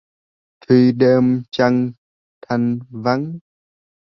Khi đêm trăng thanh vắng.